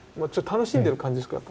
楽しんでる感じですか？